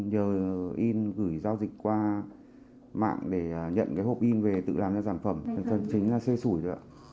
nhờ in gửi giao dịch qua mạng để nhận hộp in về tự làm ra sản phẩm thật chính là xê sủi đó ạ